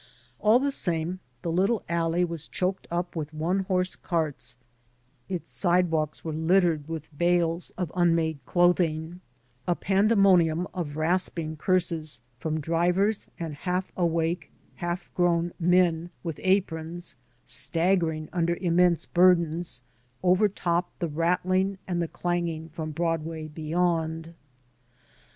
All the same, the little alley was choked up with one horse carts, its sidewalks were littered with bales 140 SHIRTS AND PHILOSOPHY of unmade clothing, a pandemonium of rasping curses from drivers and half awake, half grown men with aprons, staggering under immense burdens, overtopped the rattling and the clanging from Broadway beyond.